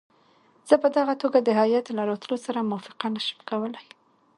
زه په دغه توګه د هیات له راتلو سره موافقه نه شم کولای.